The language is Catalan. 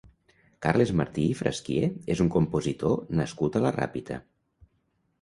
Carles Martí i Frasquier és un compositor nascut a la Ràpita.